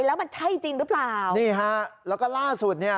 แล้วมันใช่จริงหรือเปล่านี่ฮะแล้วก็ล่าสุดเนี่ย